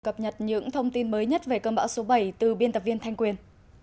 cập nhật những thông tin mới nhất về cơn bão số bảy từ biên tập viên thanh quyền